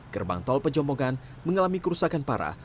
gerbang tol pejombongan mengalami kerusakan parah